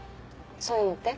そういうのって？